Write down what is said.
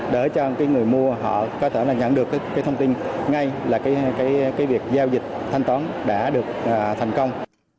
để cho người mua họ có thể nhận được thông tin ngay là việc giao dịch thanh toán đã được thành công